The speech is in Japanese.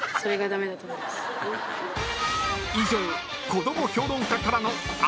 ［以上］